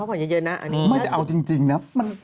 เออก็ว่างั้นนะ